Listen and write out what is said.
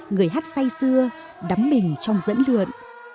người hát say xưa đắm mình trong dẫn lượn